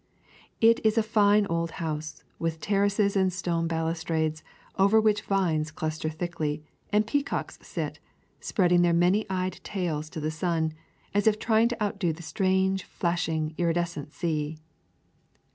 It is a fine old house, with terraces and stone balustrades over which vines cluster thickly, and peacocks sit, spreading their many eyed tails to the sun, as if trying to outdo the strange, flashing, iridescent sea.